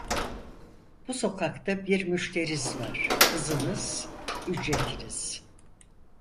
Bu sokakta bir müşteriz varHızınız ücretiniz.